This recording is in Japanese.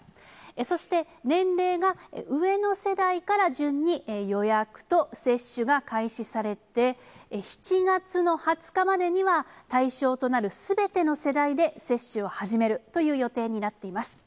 そして、年齢が上の世代から順に予約と接種が開始されて、７月の２０日までには、対象となるすべての世代で、接種を始めるという予定になっています。